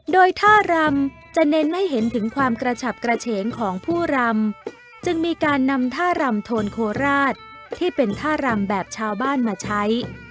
โดยท่ารำจะเน้นให้เห็นถึงความกระฉับกระเฉงของผู้รำจึงมีการนำท่ารำโทนโคราชที่เป็นท่ารำแบบชาวบ้านมาใช้